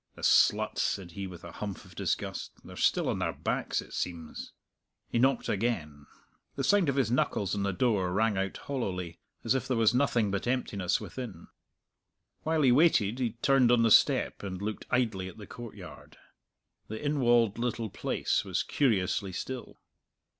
"The sluts!" said he, with a humph of disgust; "they're still on their backs, it seems." He knocked again. The sound of his knuckles on the door rang out hollowly, as if there was nothing but emptiness within. While he waited he turned on the step and looked idly at the courtyard. The inwalled little place was curiously still.